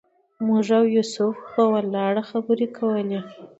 موږ او یوسف په ولاړه خبرې کولې.